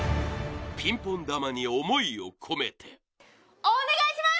ピンポン球に思いを込めて・お願いします！